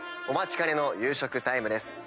お待ちかねの夕食タイムです。